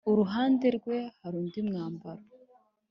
iruhande rwe hari undi mwambaro